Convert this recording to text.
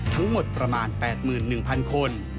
ทั้งหมดประมาณ๘๑๐๐คน